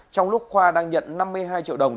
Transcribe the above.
trong lúc khoa đang nhận năm mươi hai triệu đồng